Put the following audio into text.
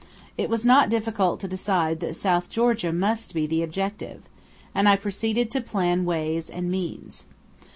It was not difficult to decide that South Georgia must be the objective, and I proceeded to plan ways and means.